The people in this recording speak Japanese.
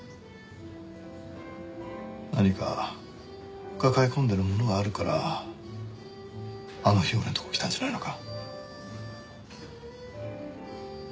何か抱え込んでるものがあるからあの日俺のとこ来たんじゃないのか？